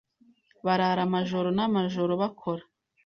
barara amajoro n’amajoro bakora